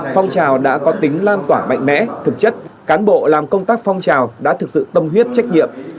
phong trào đã có tính lan tỏa mạnh mẽ thực chất cán bộ làm công tác phong trào đã thực sự tâm huyết trách nhiệm